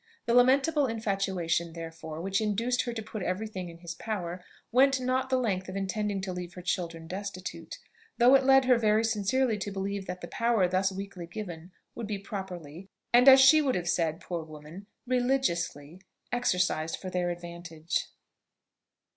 The lamentable infatuation, therefore, which induced her to put every thing in his power, went not the length of intending to leave her children destitute; though it led her very sincerely to believe that the power thus weakly given would be properly and as she would have said, poor woman! "religiously" exercised for their advantage.